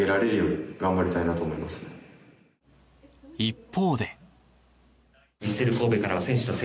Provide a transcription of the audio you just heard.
一方で。